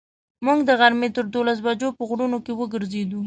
موږ د غرمې تر دولسو بجو په غرونو کې وګرځېدو.